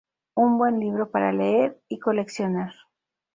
Un buen libro para leer y coleccionar.